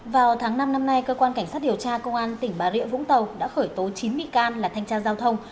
vào tháng năm năm nay cơ quan cảnh sát điều tra công an tỉnh bà rịa vũng tàu đã khởi tố chín bị can là thanh tra giao thông